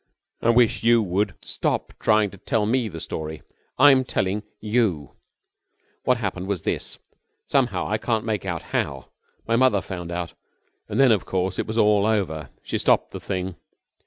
I wish you would stop trying to tell me the story. I'm telling you. What happened was this: somehow I can't make out how mother found out. And then, of course, it was all over. She stopped the thing."